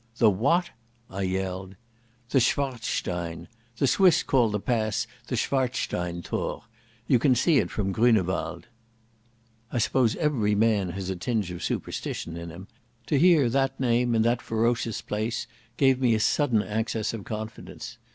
"The what?" I yelled. "The Schwarzstein. The Swiss call the pass the Schwarzsteinthor. You can see it from Grünewald." I suppose every man has a tinge of superstition in him. To hear that name in that ferocious place gave me a sudden access of confidence.